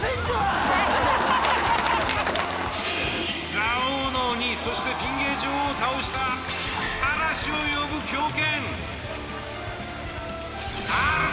座王の鬼そしてピン芸女王を倒した嵐を呼ぶ狂犬。